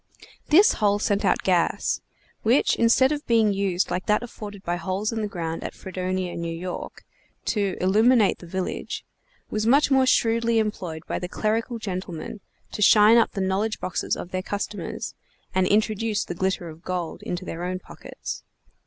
This hole sent out gas; which, instead of being used like that afforded by holes in the ground at Fredonia, N. Y., to illuminate the village, was much more shrewdly employed by the clerical gentlemen to shine up the knowledge boxes of their customers, and introduce the glitter of gold into their own pockets.